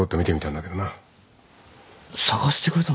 探してくれたの？